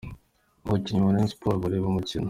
Abakinnyi ba Rayon Sports bareba umukino.